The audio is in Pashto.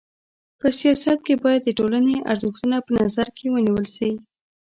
په سیاست کي بايد د ټولني ارزښتونه په نظر کي ونیول سي.